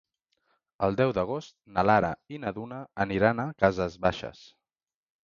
El deu d'agost na Lara i na Duna aniran a Cases Baixes.